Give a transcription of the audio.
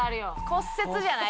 骨折じゃない？